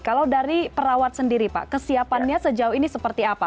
kalau dari perawat sendiri pak kesiapannya sejauh ini seperti apa